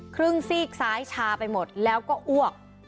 ซีกซ้ายชาไปหมดแล้วก็อ้วก